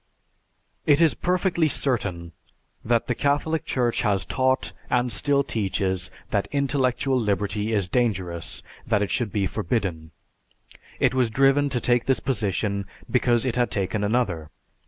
"It is perfectly certain that the Catholic Church has taught, and still teaches that intellectual liberty is dangerous, that it should be forbidden. It was driven to take this position because it had taken another.